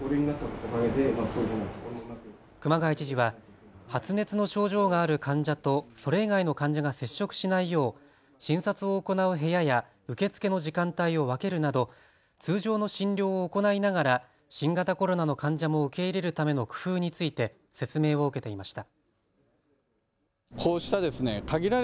熊谷知事は発熱の症状がある患者とそれ以外の患者が接触しないよう診察を行う部屋や受け付けの時間帯を分けるなど通常の診療を行いながら新型コロナの患者を受け入れるための工夫について説明を受けていました。